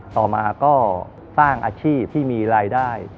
ต่อมาก็สร้างอาชีพที่มีรายได้